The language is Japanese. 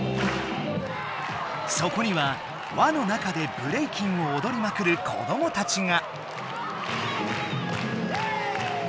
そこにはわの中でブレイキンをおどりまくる子どもたちが！